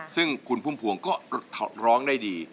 ซึ่งคุณพุ่มพวงก็ร้องได้ดี